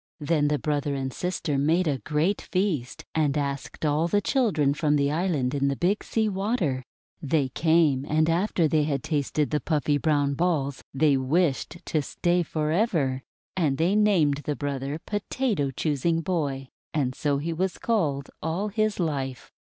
Then the brother and sister made a great feast, and asked all the children from the island in the Big Sea Water. They came, and after they had tasted the puffy brown balls, they wished to stay for ever. And they named the brother "Potato Choos ing Boy," and so he was called all his life.